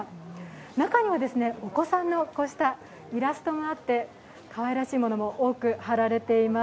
中にはお子さんのイラストがあってかわいらしいものも多く貼られています。